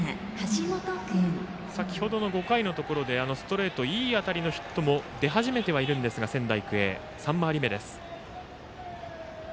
先程の５回のところでストレートにいい当たりのヒットも出始めている仙台育英、３回り目です。